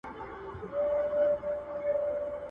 چي تر كلكو كاڼو غاښ يې وي ايستلى،